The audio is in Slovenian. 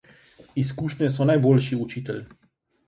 Izkušnje so najboljši učitelj.